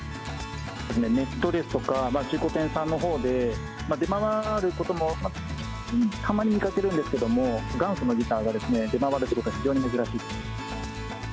ネットですとか、中古店さんのほうで、出回ることもたまに見かけるんですけれども、元祖のギターがですね、出回るということは非常に珍しい。